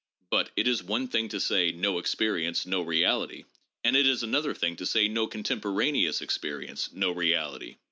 But it is one thing to say, No experience ; no reality, and it is another thing to say, No contemporaneous experience, no reality.